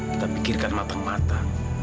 kita pikirkan mata mata